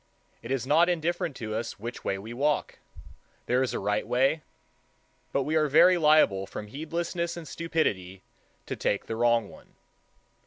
It is not indifferent to us which way we walk. There is a right way; but we are very liable from heedlessness and stupidity to take the wrong one.